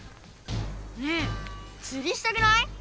ねえつりしたくない？